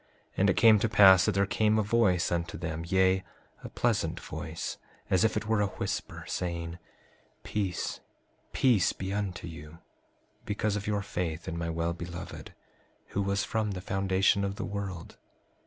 5:46 And it came to pass that there came a voice unto them, yea, a pleasant voice, as if it were a whisper, saying: 5:47 Peace, peace be unto you, because of your faith in my Well Beloved, who was from the foundation of the world.